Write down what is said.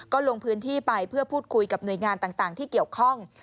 ก็ลงพื้นที่ไปเพื่อพูดคุยกับหน่วยงานต่างที่เกี่ยวข้อง